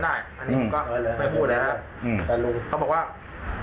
อืมอันนี้มึงก็ไม่พูดแล้วอืมก็บอกว่า